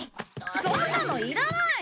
そんなのいらない！